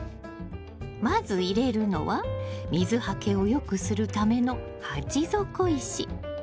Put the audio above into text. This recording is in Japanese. まず入れるのは水はけをよくするための鉢底石。